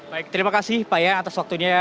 baik terima kasih pak ya atas waktunya